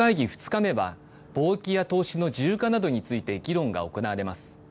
２日目は、貿易や投資の自由化などについて議論が行われます。